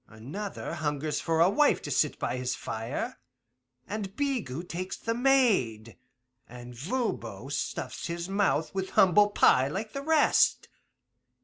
Another hungers for a wife to sit by his fire, and Bigot takes the maid, and Voban stuffs his mouth with humble pie like the rest.